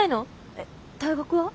えっ大学は？